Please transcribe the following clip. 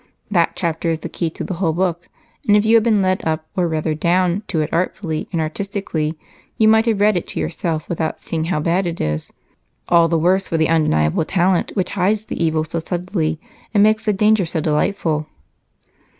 That chapter is the key to the whole book, and if you had been led up, or rather down, to it artfully and artistically, you might have read it to yourself without seeing how bad it is. All the worse for the undeniable talent which hides the evil so subtly and makes the danger so delightful."